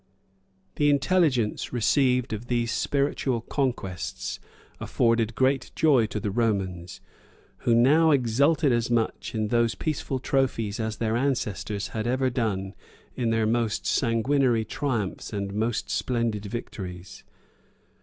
[] The intelligence received of these spiritual conquests afforded great joy to the Romans, who now exulted as much in those peaceful trophies as their ancestors had ever done in their most sanguinary triumphs and most splendid victories.